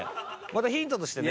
ヒントとしてね